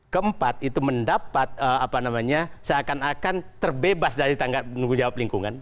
keempat itu mendapat apa namanya seakan akan terbebas dari tanggap menunggu jawab lingkungan